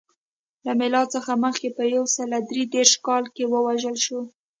له میلاد څخه مخکې په یو سل درې دېرش کال کې ووژل شو.